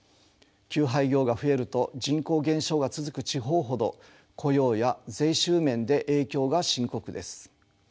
休廃業が増えると人口減少が続く地方ほど雇用や税収面で影響が深刻です。